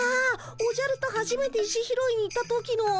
おじゃるとはじめて石拾いに行った時の？